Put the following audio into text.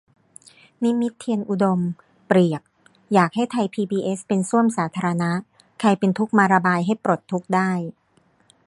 นิมิตร์ เทียนอุดม เปรียบ อยากให้ไทยพีบีเอสเป็นส้วมสาธารณะ ใครเป็นทุกข์มาระบายให้ปลดทุกข์ได้